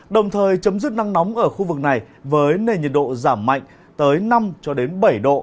đồng thời chấm dứt nắng nóng ở khu vực này với nền nhiệt độ giảm mạnh tới năm cho đến bảy độ